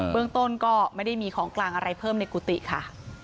เรื่องต้นก็ไม่ได้มีของกลางอะไรเพิ่มในกุฏิค่ะ